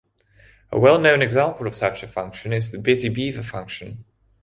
A well-known example of such a function is the Busy Beaver function.